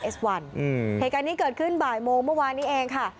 เหตุการณ์นี้เกิดขึ้นบ่ายโมงเมื่อวานนี้เองค่ะ